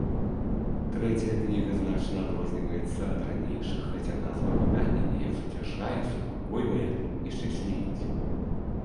Трэцяя кніга значна адрозніваецца ад ранейшых, хаця назва выдання неяк суцяшае, супакойвае і шчаслівіць.